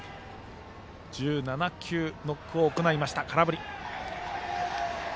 １７球ノックを行いました。